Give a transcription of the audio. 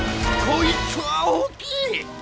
こいつは大きい！